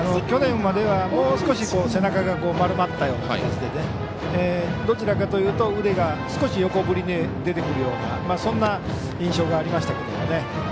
去年まではもう少し背中が丸まったような感じでどちらかというと腕が少し横振りに出てくるようなそんな印象がありましたけどね。